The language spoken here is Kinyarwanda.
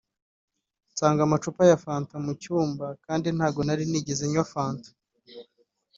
nsanga amacupa ya Fanta muri cyumba kandi ntago nari nigeze nywa fanta